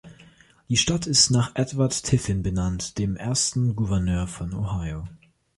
Die Stadt ist nach Edward Tiffin benannt, dem ersten Gouverneur von Ohio.